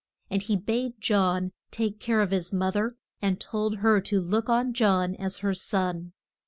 And he bade John take care of his mo ther, and told her to look on John as her son.